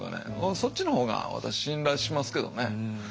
そっちの方が私信頼しますけどね。